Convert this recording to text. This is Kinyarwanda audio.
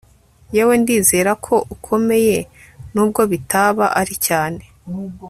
yewe ndizera ko ukomeye nubwo bitaba ari cyane